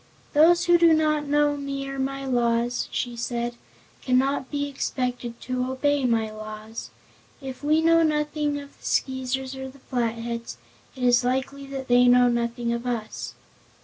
"Those who do not know me or my laws," she said, "cannot be expected to obey my laws. If we know nothing of the Skeezers or the Flatheads, it is likely that they know nothing of us."